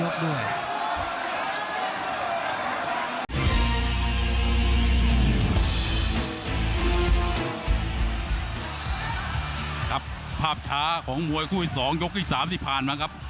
ครับภาพท้าของมวยคู่น์สองยกอีกสามนี้ที่ผ่านมาครับ